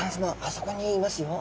そこにいますよ。